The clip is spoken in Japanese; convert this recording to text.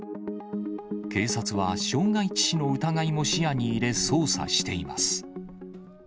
警察は傷害致死の疑いも視野に入れ捜査しています。